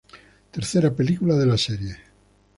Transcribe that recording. Tercera película de la serie.